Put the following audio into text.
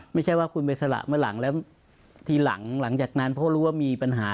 ไม่ใช่ว่าคุณไปสละเมื่อหลังแล้วทีหลังจากนั้นเพราะรู้ว่ามีปัญหา